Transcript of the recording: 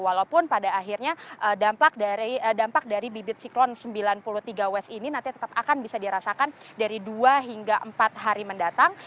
walaupun pada akhirnya dampak dari bibit siklon sembilan puluh tiga w ini nanti tetap akan bisa dirasakan dari dua hingga empat hari mendatang